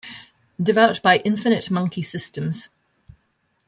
Developed by Infinite Monkey Systems.